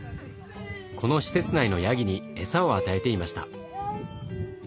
この施設内のヤギに餌を与えていました。